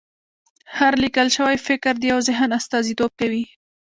هر لیکل شوی فکر د یو ذهن استازیتوب کوي.